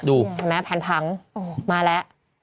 ดูเห็นไหมผันผังมาแล้ว